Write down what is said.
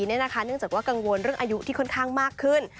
เนื่องจากว่ากังวลเรื่องอายุที่ค่อนข้างมากขึ้น